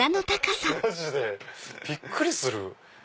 マジでびっくりする。